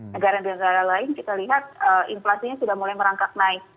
negara negara lain kita lihat inflasinya sudah mulai merangkak naik